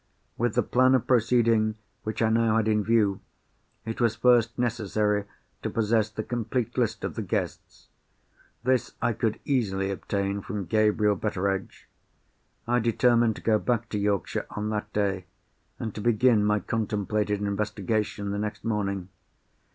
With the plan of proceeding which I now had in view, it was first necessary to possess the complete list of the guests. This I could easily obtain from Gabriel Betteredge. I determined to go back to Yorkshire on that day, and to begin my contemplated investigation the next morning.